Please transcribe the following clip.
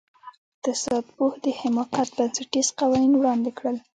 یوه اقتصادپوه د حماقت بنسټیز قوانین وړاندې کړل.